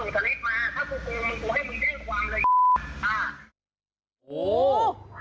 ถ้ามึงจะโอนมึงกดโอนส่งสนิทมาถ้าคุณกูมึงกูให้มึงแจ้งความเลย